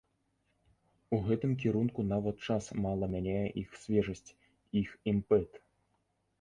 У гэтым кірунку нават час мала мяняе іх свежасць, іх імпэт.